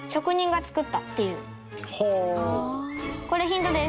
これ、ヒントです！